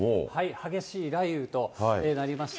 激しい雷雨となりました。